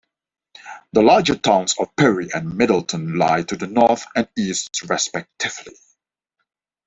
The larger towns of Bury and Middleton lie to the north and east respectively.